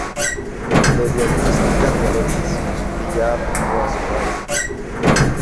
Le diagnostican diabetes, que ya afectó a su padre.